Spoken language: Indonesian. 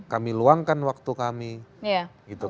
kami luangkan waktu kami